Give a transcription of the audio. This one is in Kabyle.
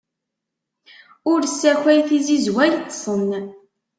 Ur ssakway tizizwa yiṭṭsen!